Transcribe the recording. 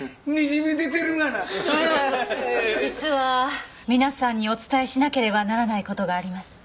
実は皆さんにお伝えしなければならない事があります。